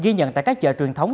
ghi nhận tại các chợ truyền thống